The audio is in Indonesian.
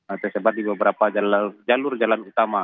ini tersebar di beberapa jalur jalan utama